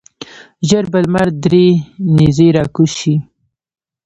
ژر به لمر درې نیزې راکوز شي.